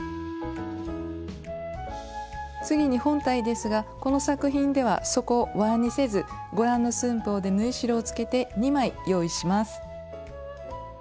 次に本体ですがこの作品では底をわにせずご覧の寸法で縫い代をつけて２枚用意します。